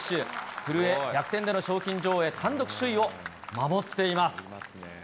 古江、逆転での賞金女王へ、単独首位を守っています。